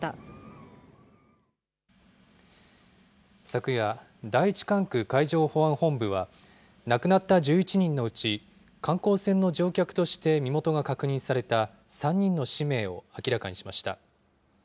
昨夜、第一管区海上保安本部は、亡くなった１１人のうち、観光船の乗客として身元が確認された３人の氏名を明らかにしました。